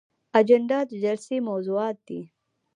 اجنډا د جلسې موضوعات دي